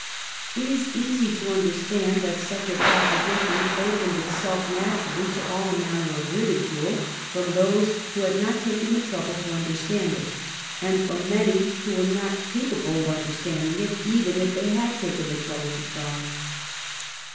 It is easy to understand that such a proposition opened itself naturally to all manner of ridicule from those who had not taken the trouble to understand it, and from many who were not capable of understanding it even if they had taken the trouble to try.